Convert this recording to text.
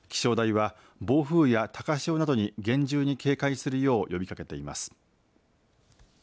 気象台は暴風や高潮などに厳重に警戒するよう呼びかけています。